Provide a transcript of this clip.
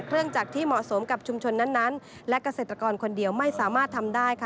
จากที่เหมาะสมกับชุมชนนั้นและเกษตรกรคนเดียวไม่สามารถทำได้ค่ะ